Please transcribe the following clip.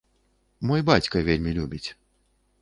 Мой бацька вельмі любіць.